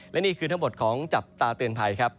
และนี่คือทั้งหมดของจับตาเตือนภัยครับ